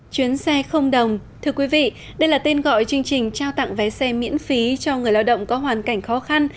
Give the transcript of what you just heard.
chuyến xe không đồng thưa quý vị đây là tên gọi chương trình trao tặng vé xe miễn phí cho người lao động có hoàn cảnh khó khăn